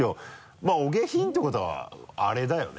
まぁお下品ってことはあれだよね。